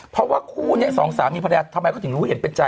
เพราะว่าคู่นี้สองสามีภรรยาทำไมเขาถึงรู้เห็นเป็นใจ